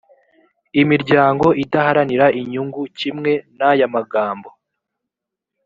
imiryango idaharanira inyungu kimwe n ayamagambo